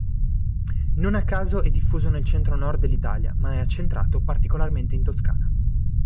Non a caso è diffuso nel centro-nord dell'Italia ma è accentrato particolarmente in Toscana.